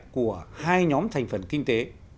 của hai nhóm thành phần kinh tế